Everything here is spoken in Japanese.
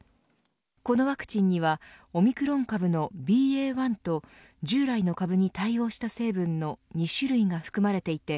このワクチンにはオミクロン株のＢＡ１と従来の株に対応した成分の２種類が含まれていて